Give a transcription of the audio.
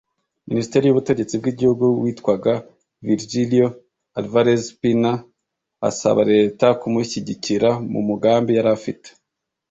minisiteri y ubutegetsi bw igihugu witwaga virgilio alvarez pina asaba leta kumushyigikira mu mugambi yari afite